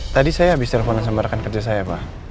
tadi saya habis teleponan sama rekan kerja saya pa